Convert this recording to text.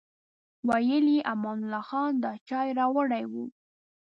ویل یې امان الله خان دا چای راوړی و.